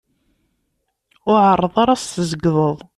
Ur εerreḍ ara ad s-tzeyydeḍ!